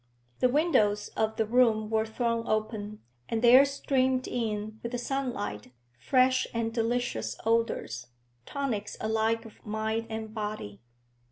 The windows of the room were thrown open, and there streamed in with the sunlight fresh and delicious odours, tonics alike of mind and body.